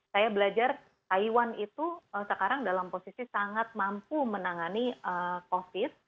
saya belajar taiwan itu sekarang dalam posisi sangat mampu menangani covid